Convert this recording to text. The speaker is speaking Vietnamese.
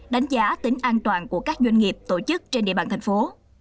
đánh giá tính an toàn của các doanh nghiệp tổ chức trên địa bàn thành phố